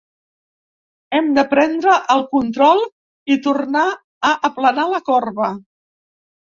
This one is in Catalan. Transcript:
Hem de prendre el control i tornar a aplanar la corba.